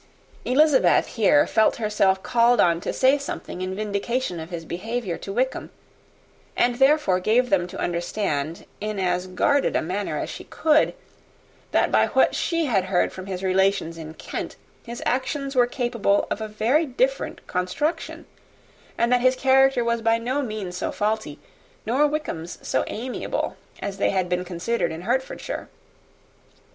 Elizabeth here felt herself called on to say something in vindication of his behaviour to Wickham; and, therefore, gave them to understand, in as guarded a manner as she could, that by what she had heard from his relations in Kent, his actions were capable of a very different construction; and that his character was by no means so faulty, nor Wickham's so amiable, as they had been considered in Hertfordshire.